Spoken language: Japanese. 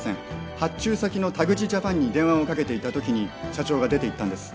発注先の田口ジャパンに電話をかけていた時に社長が出ていったんです